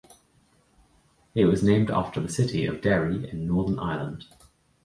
It was named after the city of Derry in Northern Ireland.